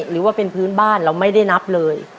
หรือว่าเป็นพื้นบ้านเราไม่ได้นับเลย